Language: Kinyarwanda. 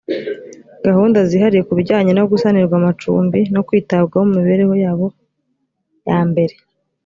gahunda zihariye ku bijyanye no gusanirwa amacumbi no kwitabwaho mu mibereho yabo yambere